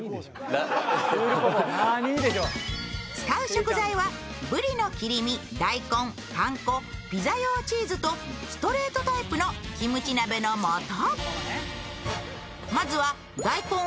使う食材は、ぶりの切り身、大根、パン粉、ピザ用チーズとストレートタイプのキムチ鍋の素。